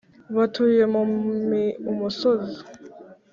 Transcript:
batuye mu mi umusozi